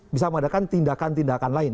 bisa mengadakan tindakan tindakan lain